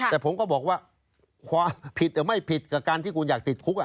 แต่ผมก็บอกว่าความผิดหรือไม่ผิดกับการที่คุณอยากติดคุก